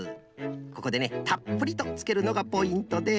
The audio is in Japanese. ここでねたっぷりとつけるのがポイントです。